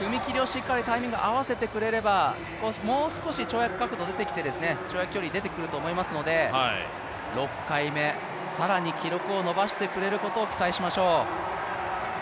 踏み切りをしっかりタイミング合わせてくれれば、もう少し跳躍確度が出てきて跳躍距離出てくると思いますので、６回目更に記録を伸ばしてくれることを期待しましょう。